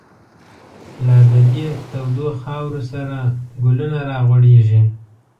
لا د دی تودو خاورو، سره گلونه را غوړیږی